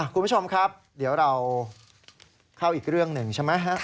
คุณผู้ชมครับเดี๋ยวเราเข้าอีกเรื่องหนึ่งใช่ไหมฮะ